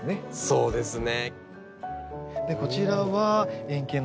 そうですね。